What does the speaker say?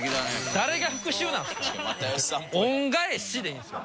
誰が復讐なんですか！